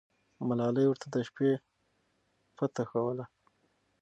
ملالۍ ورته د شپې پته ښووله.